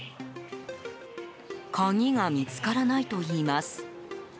鍵が見つからないといいます。